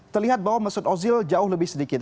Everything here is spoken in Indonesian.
terlihat bahwa mesut ozil jauh lebih sedikit